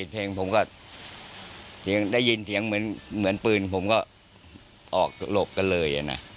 แทงผมก็ได้ยินเสียงเหมือนปืนผมก็ออกหลบกันเลยนะ